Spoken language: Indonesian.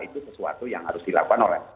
itu sesuatu yang harus dilakukan oleh